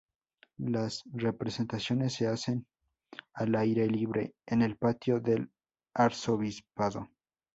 Las representaciones se hacen al aire libre, en el patio del Arzobispado.